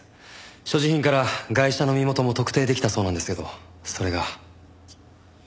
所持品からガイシャの身元も特定できたそうなんですけどそれが。